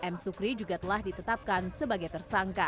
m sukri juga telah ditetapkan sebagai tersangka